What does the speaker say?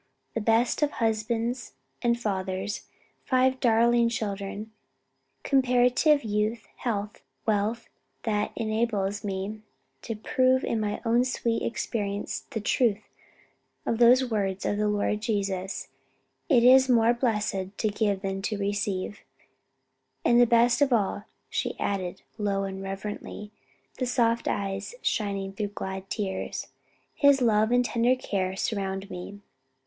the best of husbands and fathers, five darling children; comparative youth, health, wealth that enables me to prove in my own sweet experience the truth of those words of the Lord Jesus, 'It is more blessed to give than to receive'; and the best of all" she added low and reverently, the soft eyes shining through glad tears, "His love and tender care surrounding me.